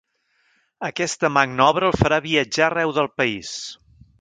Aquesta magna obra el farà viatjar arreu del país.